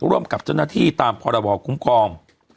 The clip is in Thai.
ร่วมกับเจ้าหน้าที่ตามพรบคุ้มครอง